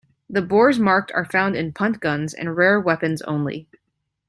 The bores marked are found in punt guns and rare weapons only.